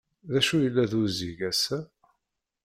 D acu yella d uzzig ass-a?